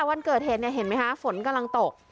วันเกิดเหตุเนี่ยเห็นไหมคะฝนกำลังตก